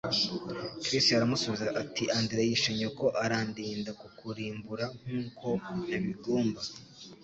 Kris aramusubiza ati: "Andre yishe nyoko arandinda kukurimbura nk'uko nabigomba."